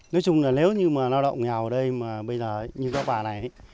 nói chung là nếu như mà lao động nghèo ở đây mà bây giờ như các bà này